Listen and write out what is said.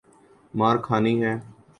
مار کھانی ہے؟